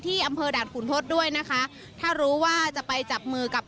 อำเภอด่านขุนทศด้วยนะคะถ้ารู้ว่าจะไปจับมือกับ